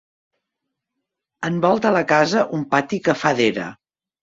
Envolta la casa un pati que fa d'era.